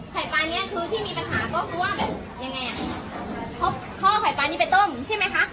ไข่ปลานี้คือที่มีปัญหาก็คือว่าแบบยังไงอ่ะข้อไข่ปลานี้ไปต้มใช่ไหมคะ